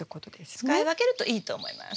使い分けるといいと思います。